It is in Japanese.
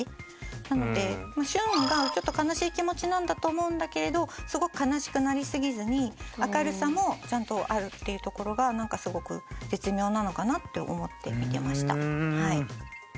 なので「シュン」がちょっと悲しい気持ちなんだと思うんだけれどすごく悲しくなりすぎずに明るさもちゃんとあるっていうところがすごく絶妙なのかなって思って見てました。